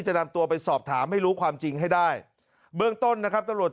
จะนำตัวไปสอบถามให้รู้ความจริงให้ได้เบื้องต้นนะครับตำรวจ